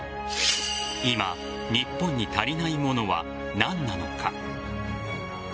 今、日本に足りないものは何なのか。